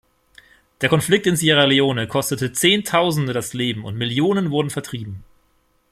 Der Konflikt in Sierra Leone kostete Zehntausende das Leben, und Millionen wurden vertrieben.